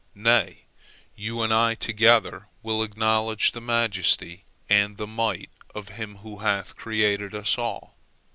Nay, you and I together will acknowledge the majesty and the might of Him who hath created us all.